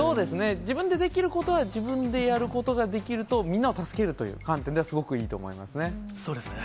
自分でできることは自分でやることができると、みんなを助けるという観点ではすごくいいと思いますね。